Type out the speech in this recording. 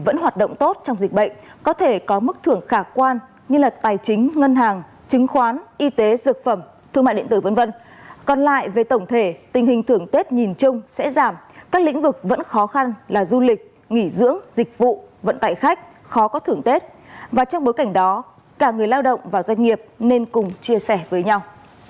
và trong bối cảnh đó cả người lao động và doanh nghiệp nên cùng chia sẻ với nhau